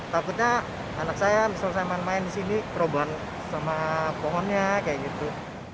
takutnya anak saya misalnya main main di sini kerobohan sama pohonnya kayak gitu